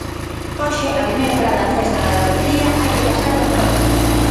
Hoxe a primeira parada da festa da lotería hai que facela no Grove.